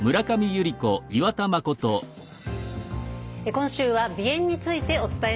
今週は鼻炎についてお伝えします。